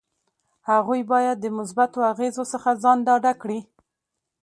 هغوی باید د مثبتو اغیزو څخه ځان ډاډه کړي.